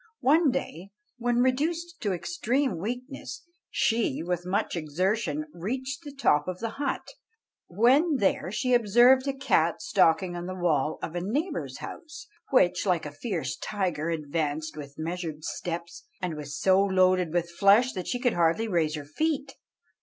One day, when reduced to extreme weakness, she, with much exertion, reached the top of the hut; when there she observed a cat stalking on the wall of a neighbour's house, which, like a fierce tiger, advanced with measured steps, and was so loaded with flesh that she could hardly raise her feet.